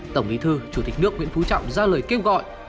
tổng bí thư chủ tịch nước nguyễn phú trọng ra lời kêu gọi